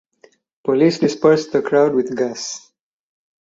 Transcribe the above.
Police dispersed the crowd with gas.